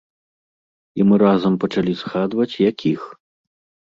І мы разам пачалі згадваць, якіх.